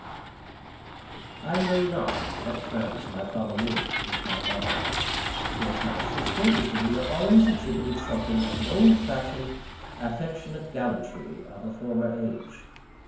I know not on what terms my father lived with my mother. Towards my sister, his demeanour always exhibited something of the old fashioned, affectionate gallantry of a former age.